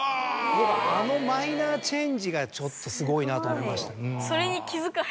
僕はあのマイナーチェンジがちょっとすごいなと思いました。